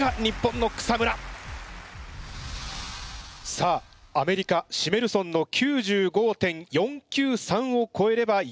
さあアメリカシメルソンの９５．４９３をこえれば優勝。